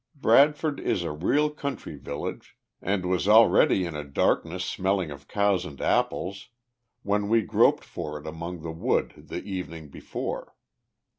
Bradford is a real country village, and was already all in a darkness smelling of cows and apples, when we groped for it among the woods the evening before.